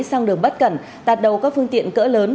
sang đường bất cẩn tạt đầu các phương tiện cỡ lớn